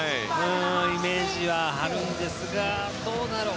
イメージはあるんですがどうだろう。